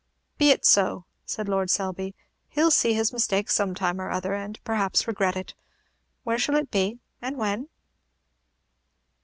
"Be it so," said Lord Selby: "he 'll see his mistake some time or other, and perhaps regret it. Where shall it be? and when?"